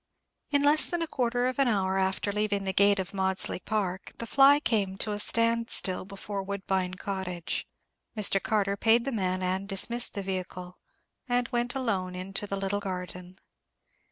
In less than a quarter of an hour after leaving the gate of Maudesley Park, the fly came to a stand still before Woodbine Cottage. Mr. Carter paid the man and dismissed the vehicle, and went alone into the little garden.